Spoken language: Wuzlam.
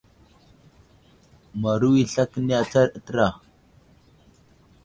Maru i sla kəni atsar təra.